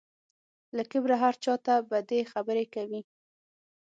له کبره هر چا ته بدې خبرې کوي.